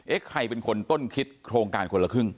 ใครเป็นคนต้นคิดโครงการคนละครึ่ง